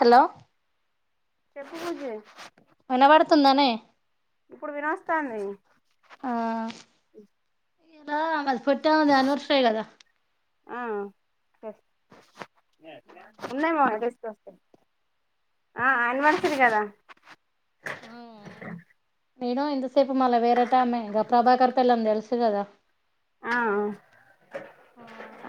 Hello చెప్పు బుజ్జి వినబడుతుందానే ఇప్పుడు వినవస్తాంది. ఎలా అస్ పోట్ట మెది అన్వర్షరీ గాదా ఉన్నాయి మామయ్య తీసుకొస్తాలే ఆ అనివర్సరీ గాదా అవును. నేను ఇంతసేపు మళ్ళ వేరేటమే గా ప్రభాకర్ పెళ్ళాం తెలుసు గాదా ఆ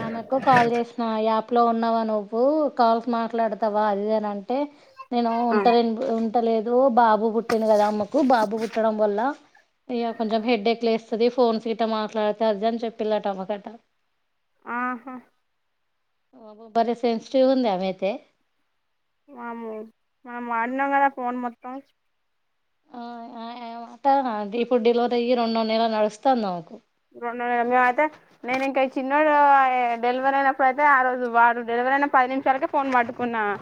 ఆమెకు కాల్ జేసిన యాప్ లో ఉన్నావా నువ్వు కాల్స్ మాట్లాడతావా అది దని అం అంటే నేను ఆ ఉంటరు ఉం పుట్టలేదు బాబు పుట్టింది కదా అమ్మకు బాబు పుట్టడం వల్ల ఇక కొంచెం హెడ్డేక్ లేస్తుంది ఫోన్స్ గిట్ట మాట్లాడితే అజంని చెప్పిలాట అమ్మ గట ఆహా బలే సెన్సటివ్ ఉంది ఆమైతే మాము మాము వాడినాం కదా ఫోన్ మొత్తం ఆ అ ఇప్పుడు డెలివరీ అయ్యి రెండో నెల నడుస్తుంది ఆమె కు రెండుందలలమే అయితే నేను ఇంకా ఈ చిన్నోడు డెలివరీ అయినప్పుడుయితే ఆ రోజు వాారు డెలివరీ అయిన పది నిమిషాలకే ఫోన్ పట్టుకున్నాను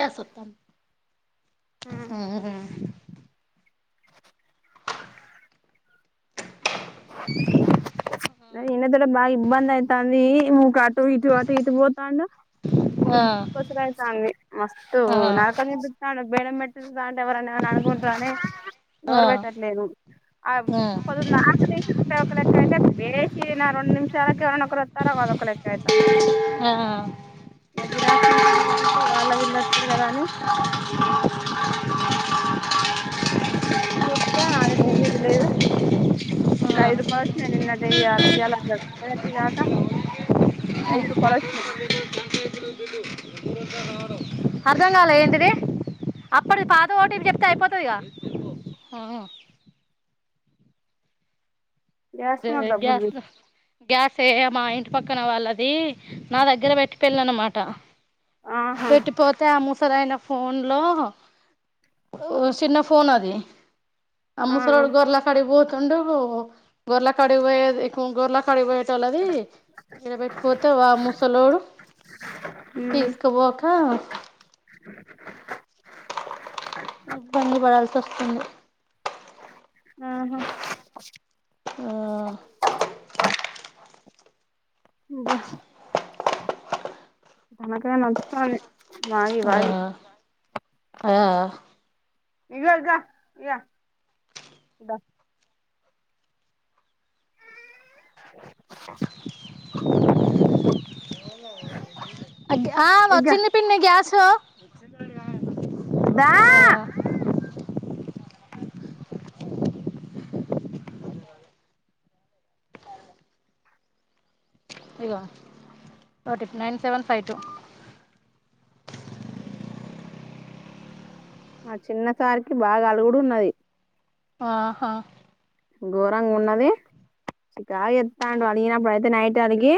ఎ సప్తాం ఆ నరి ఇన్న తోడ బాగా ఇబ్బంది అయిత అంది కా టు ఇటు అటు ఇటు పోతాండు. ఆ ఆ [unintelligible] అయితంది మస్త్ ఆ [unintelligible] బెడం పెట్టూర్రి దాంట్ల ఎవరన్న ఏమన్న అనుకుంటరూ అనీ ఆ డోర్ పెట్టట్లేదు. ఆ పొద్దుందాక దీసి [unintelligible] ఒక లెక్క అయితే వేసి నా రెండు నిమిషాలు ఎవైనా ఒకరుస్తారు అద ఒకరు లెక్క అవుతా ఆ ఆ జిరాక్షమి కాబటి వాళ్ళ వీధు వస్తారు కదా అని చూతా అది లేదు ఇది లేదు ఒక ఐదు రూపాస్ నే నిన్నదే ఇయలా ఇది కాక ఐదు రూపాలో వచ్చిన అర్ధం కాల ఏంటిది అప్పటిది పాత ఓటీపీ చెప్తే అయిపోతది కదా స్ మా దబుజ గ్యాసే మా ఇంటి పక్కన వాళ్ళది నా దగ్గర పెట్టి పోయేళ్ళు అన్నమాట ఆహా పెట్టిపోతే ఆ ము తాను అయన ఫోన్ లో చిన్న ఫోన్ అది ఆ ముసలోడు గొర్ల కాడికి పోతే తుండు గోర్లా కాడికి పోయాది గొర్ల కాడికి పోయేది లది ఇక్కడబెట్టిపోతే వా సలోడు ఉమ్ తీసుకుపోక ఇబ్బంది పడాల్సి వస్తుంది ఆహా ఆ అబ్బా తలకాయ నోతంది ఆ ఆ ఇగో ఇగో ఆ ఇగ వచ్చింది పిన్ని గ్యాస్ సో దా ఇగ ఓటి నైన్ సెవెన్ ఫైవ్ టూ ఆ చిన్న సారికి బాగా అలుగు ఉన్నది ఆహా ఘోరంగా ఉన్నది చికగా ఎస్తాడు అడిగినప్పుడు అయితే నైట్ అడిగి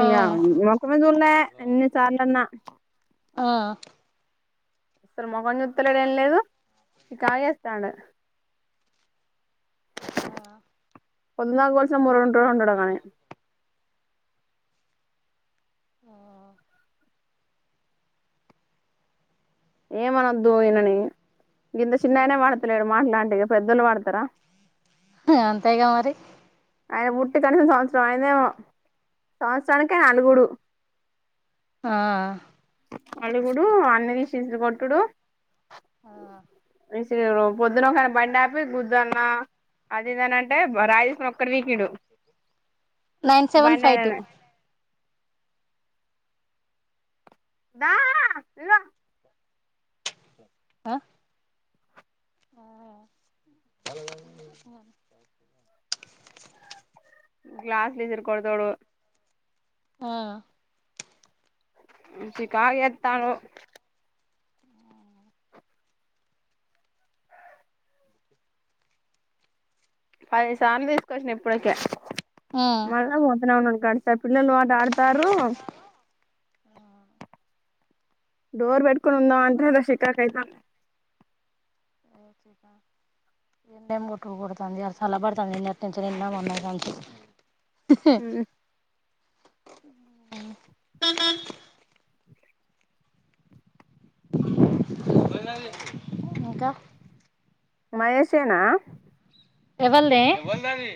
ఆ మోకుమ చూలే ఇ చార్న్న ఆ అసలు మఖం చుతులేడు ఏం లేదు చీకగు చేతండు ఆ పోదునదాకా కొలశిన ఓడవ రడుడా కానీ ఆ ఏమనొద్దు ఈయనని గింత చిన్నగానే మాడుతలేడు మాట్లాంటి పెద్దలు వాతారా అంతయగా మరి ఆయన పుట్టి కనీసిన సంవత్సరం ఆయందేమో సంవత్సరానికి నలుగుడు ఆ అలుగుడు అన్ని తీషించడు కొట్టుడు ఆ పొద్దున కాని బండి ఆపి గుదున్న అదిందనంటే రాయి తీసుకు అక్కడవీకి ఇడు నైన్ సెవెన్ ఫైవ్ దా ఇవా ఆ ఆ గ్లాస్లుసిర్కడదోడు ఆ చ కా ఎత్తను పది సార్లు తీసుకొచ్చిన ఎప్పటిక ఆ మళ్ పోతున ఉడి గడసా పిల్లలు వాట ఆడతారు ఆ డోర్ పెట్కొ ఉందా అంతద శికాకైతా కొట్టుకుడుతుంది అ సల పడుతుంది నంచన్నా స త ఇంకా మహేశేనా ఎవల్దే ఎవల్దది.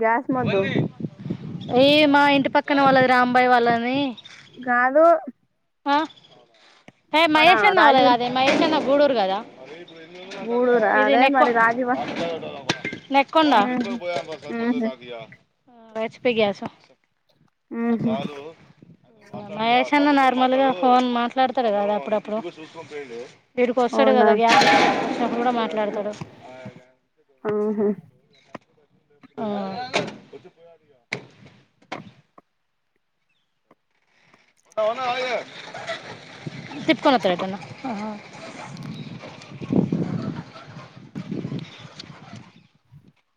గ్యాస్ మొద్దు ఏ మా ఇంటి పక్కన వాళ్ళది రాంబాయి వాళ్ళని గాదు. అ హే మహేషన్న వాళ్ళది రాజీవ్ కాదే మహేషన్న గూడు గదా గూడూరా ఇది అదే నెక్ మరి రాజీవ నెక్కోండ ఉహు ఉహు వచ్పిై గయాస ఆహా మహేష్న్న నా నార్మలుగా ఫోన్ మాట్లాడతారు కదా అప్పుడప్పుడు వీడికి వస్తాడు అవునా కదా గ్యా కూడా మాట్లాడతాడు ఉహు ఆ కే అవున అలాగే తిప్కొనొత్తడటన్న ఆహా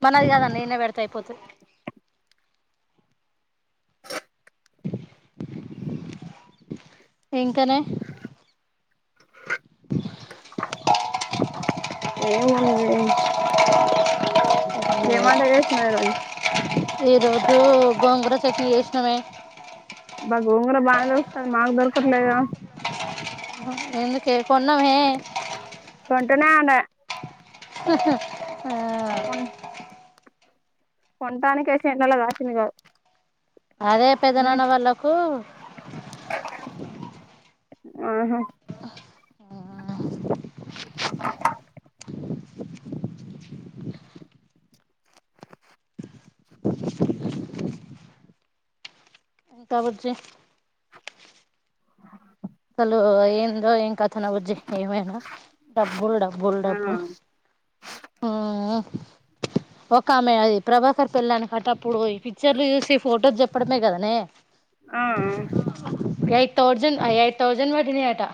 మనది కాదండి నేనే పెడత అయిపోతే ఇంక్ తేనె ఏముంది ఏం వంట చేసినవ్ ఈ రోజు ఈ రోజు గోంగూర చట్నీ చేసినమే బా గొంగుర బాగా దొర్కుతాంది మాకు దొర్కట్లేగ అహ ఎందుకే కొన్నమే నాద ఆహా ఉ కోన్ కొంటానీ కైయి సెన్లలో కాసింది కావ్ అదే పెదనాన్న వాళ్ళకు ఆహా! ఆ ఇంకా బుజ్జి నువ్ ఏంద్ ఏం కథ నజు ఏమైనా డబ్బులు డబ్బులు డబ్బు ఉమ్ ఒక ఆమె అది ప్రభాకర్ పెళ్ళాని కటా అప్పుడు ఈ పిక్చర్లు చూసి ఫోటోస్ చెప్పడమే కదనే ఆ ఎయిట్ టౌజండ్ ఎయి టౌజండ్ పడినియటా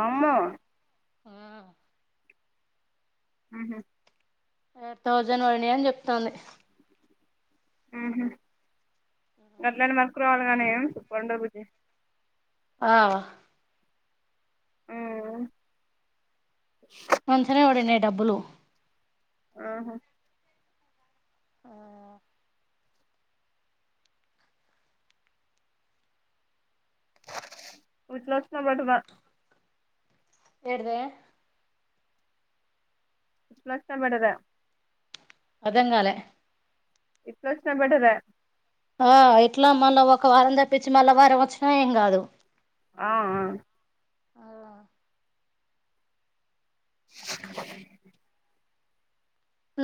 అమ్మె ఆ ఉహుమ్ ఎయిట్ థౌజండ్ పడిని అని చెప్తుంది ఉహుమ్ అట్లానే మనకు రావాలి గానీ చూడండే బుజ్జి ఆ ఆమ్ మంచినే పడినాయి డబ్బులు ఆహా! ఆ ఉచ్ లోచ్న బడుత ఏట్దే [unintelligible] ఆర్ధం కాలే ఇట్లా వచ్చినట్టు ఉండాదా ఆ ఇట్లా మళ్ళా ఒక వారం తప్పించి మళ్ళా వారం వచ్చినా ఏం కాదు ఆ ఆవునా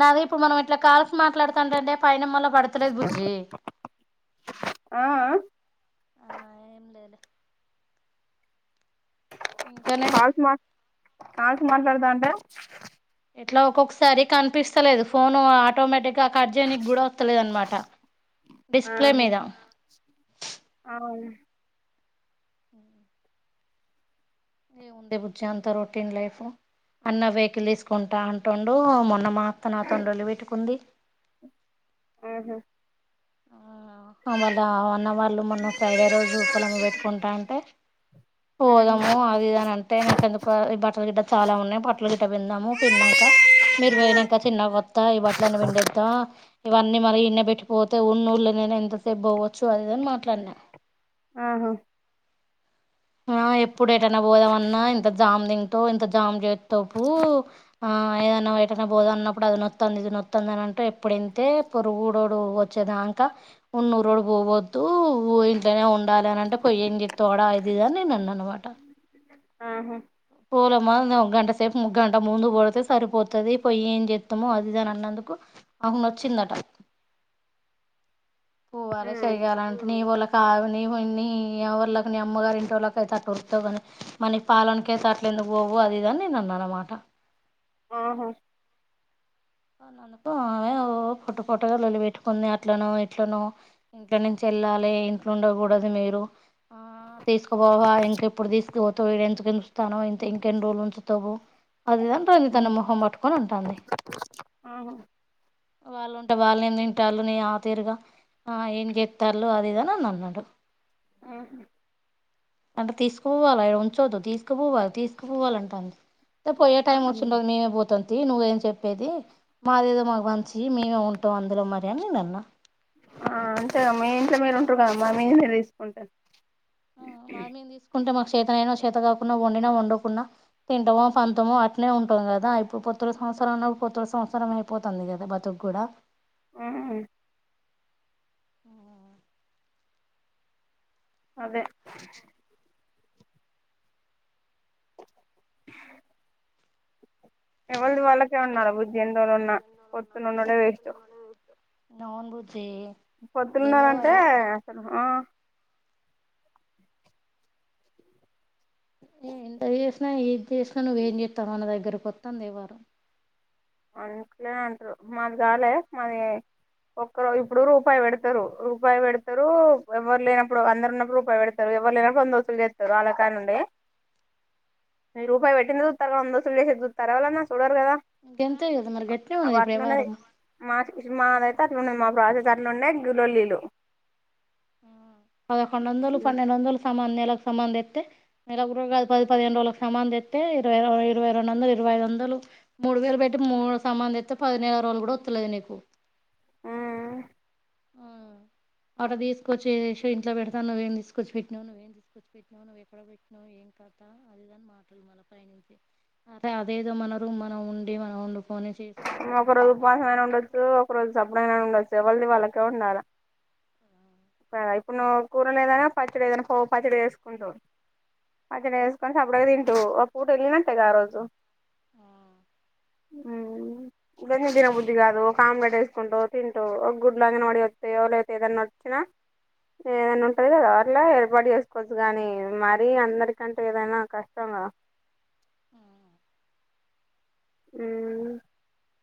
నాది ఇప్పుడు మనం ఇట్లా కాల్స్ మాట్లాడుతాంటే పైన మరి నాకు పడతలే బుజ్జి ఆ ఆ ఆ ఏం లేదు ఇంకానే కాల్స్ మా కాల్స్ మాట్లాడదా అంటే ఇట్లా ఒక్కొక్కసారి కనిపిస్తలేదు ఫోన్ ఆటోమేటిక్ ఆ కట్ చేయనికి గుడా వస్తలేద అనమాట డిస్ప్లే ఆహా మీద అవును ఉమ్ ఏం ఉందే బుజ్జి అంత రొటీన్ లైఫ్ అన్న వెహికల్ తీసుకుంటా అంటండు మొన్న మా అత్త నా తండ్రలు పెట్టుకుంది ఆహమ్ వాళ్ళ అన్న వాళ్ళు మొన్న ఫ్రైడే రోజు ఉప్పలమ్ం పెట్టుకుంటా అంటే ఉహు పోదాము అది అని అంటే నాకు ఎందుకు ఈ బట్టల గిడ్డ చాలా ఉన్నాయి బట్టల గిడ్డ విందాము పిన్నాక మీరు వేయినాక చిన్న కొత్తా ఈ బట్టలని పిండేద్దాం ఇవన్నీ మరిన్నీ పెట్టిపోత అ ఉన్న ఊళ్ళ నేనా ఎంతసేపు పోవ్వచ్చు అది యిది అని మాట్లాడినా ఆహ ఆ ఎప్పు ఇప్పుడే ఏటైన్నా పోదామన్నా ఇంత జామ్ దిం కో ఇంత జామ్ బ్రెడ్ తప్పు ఆ ఏదైనా వెటకబోధ్ అన్నప్పుడు అది నోతంది ఇది నోతంది అని అంటే, ఎప్పుడుంతే పొరుగుోడు వచ్చేదాకా ఉన్న ఉరోడు పోవదు, ఇంట్లనే ఉండాలి అనింటే పోయ్ ఏం చేస్తావ్ ది అనే నాననమాట ఆహా పోలమా నా గంట సేపు ఒక గంట ముందు పోడితే సరిపోతుది. పోయ్ ఏం చెస్తామో అది ఇది అన్నందుకు అమ్మ వచ్చిందంట. పోవాలే ఉమ్ చేయలే అంటేనే వాళ్ళక్ కథ్ నీవ్ అని నా ఒళ్లకి నా అమ్మగారి ఇంట్లోకి [unintelligible] మనక్ కథన్ అకే అట్ల ఎందుకు పోవు అదిఇది నేన్ అన్నా అన్నమాట. ఆహో అవును అనుకో ఓ పాట్ పొటుగా లొల్లి పెట్టుకున్న అట్లనో ఇట్లనో, ఇంట్ల నుంచి ఎల్లలే ఇంట్లో ఉండకూడదు మీరు ఆ తీసుకుపోవా ఇంకెప్పుడు తీసుకుపోతావ్ ఎందుకు ఉంచుతనవ్ ఇ ఇంకెన్ని రోజులు ఉంచుతావు. అదిదని రజతన మొహం పట్టుకొని ఉంటాది ఆహా వాళ్ళు ఉంటే వాళ్ళ ఏం తింటారు నీ ఆ తీరుగా ఆ ఏం చెప్తారులే అది ఇది అని నన్ను అన్నాడు ఆహా అంటే తీసుకుపోవాల ఉంచొద్దు తీసుకుపోవాలి తీసుకుపోవాలంటాంది. ఏ పోయే ఆ టైమ్ వచ్చూడది నేనే పోతాన్ టు నువ్వేం చెప్పదు మది ఏం అవచి మేమే ఉంటాం అందులో మరి అని నేన్ అన్న. ఆ అంతేగాద మీ ఇంట్లో మీరు ఉంటారు మరి మీర్ తీసుకుంటూల్ ఉమ్ మాడ్ మేము తీసుకుంటం అన్ చేతనైనా చేత కాకుండా వండిన వందకుండా తింటమ పంథమో అట్లే ఉంటాం కదా, ఇప్పుడు పొత్తురు సంసారం ఉన్నప్పుడు పొత్తురు సంసారం అయిపోతుంది కదా బతుక్ కూడా ఉమ్ అదే ఎవల్ది వాళ్ళకే ఉన్నారా మీర్ [inaudible] వచ్చినకనే తీస్తార్ నన్ బు పొత్తులో అంటే అసలు ఆ ఏ ఎంత చేసినా ఎడ్ చేసినా నువ్వేం చేతనవ్ అనే దగ్గరకి అతంది ఎవరం. అల్ అట్లనే అంటారు మాది కాలే మాది ఒక్కరు ఇప్పుడు రూపాయి పెడతారు రూపాయి పెడతారు, ఎవరు లేనప్పుడు అందరు ఉన్నప్పుడు రూపాయి పెడతారు ఎవరు లేనప్పుడు వంద వసులు చేస్తారు అలాకనుడే. మీ రూపాయి పెట్టింది చూతారు కానీ వంద వసూలు చేసేది చూతార ఎవళన్నా చూడరు కదా. గంతే కదా మరి గట్నే ఆది ఉన్నది ఇప్పుడు అట్లనే వ్యవహారం మాడ్ మాడ్ అయితే అట్లునే మా ప్రజ దాంట్లోనే ఇంకా లొల్లిలు ఉమ్ పదకొండు వందలు పన్నెండు వందలు సామానే గా సమన్ తెతే నెలకు రూపాయ్ పది పదిహేను వేల సమన్ తెతే, ఇరవై ఇరవై రెండు వందలు ఇరవై ఐదు వందలు మూడు వేలు పెట్టి మూడు సమన్ తెస్తతే పది నేల రోజులు కూడా అత్తలేదు నీకు. ఉమ్ ఉమ్ అడ తీసుకొచ్చి చేసి ఇంట్లో పెడతా నువ్వేం తీసుకొచ్చి పెట్టినవ్ నువ్వేం తీసుకొచ్చి పెట్టినావ్ నువ్వేం ఎక్కడ పెట్టినావ్ ఏం కత ఆది ఇది మాటలు మల్ల పై నుంచి, ఆ అదేదో మన రూమ్లో మనం ఉండి మన ఆడు ఒక రోజు ఉపాసం అయిన ఉండొచ్చు ఒక రోజు సపుడెకనైన ఉండచు ఎవల్ది వాళ్ళకి తే ఉండల ఆ ఇప్పుడ్ నా కూర లేదనా పచ్చడి ఏదనా పొప్ పచ్చడి చేసుకుంటాం. పచ్చడి వేసుకొని సప్పుడగా తింటు ఓ పూట వెళ్ళినట్టేగా ఆ రోజు. ఆ ఉ దని దిన బుద్ధి కాదు కాంమ్ గ చేసుకుంటా వు తింటూ ఒక గుడ్లాగా నోడి వస్తా ఎవ లేతే ఏదన్నా వచ్చినా ఏదైనా ఉంటుంది కదా అట్లా ఏర్పాటు చేసుకోవచ్చు కానీ మరీ అందరికంటే ఏదైనా కష్టం కదా అ అ